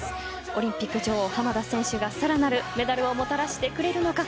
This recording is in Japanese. オリンピック女王濱田選手がさらなるメダルをもたらしてくれるのか。